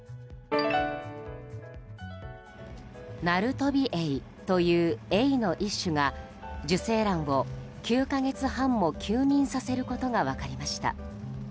ナルトビエイというエイの一種が受精卵を９か月半も休眠させることが分かりました。